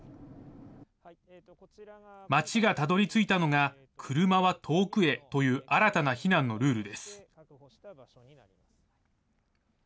町がたどりついたのが車は遠くへという新たな避難のルールです。